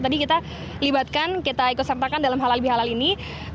tadi kita libatkan kita ikut sertakan dalam halal bihalal ini